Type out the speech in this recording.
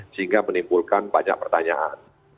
sehingga menimbulkan banyak pertanyaan